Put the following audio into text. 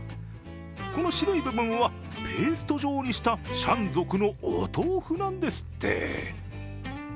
この白い部分はペースト状にしたシャン族のお豆腐なんですって。